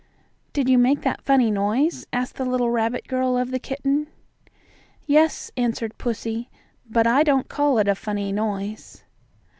"Did you make that funny noise?" asked the little rabbit girl of the kitten. "Yes," answered pussy, "but I don't call it a funny noise."